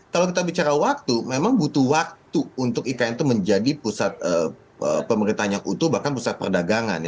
kalau kita bicara waktu memang butuh waktu untuk ikn itu menjadi pusat pemerintahan yang utuh bahkan pusat perdagangan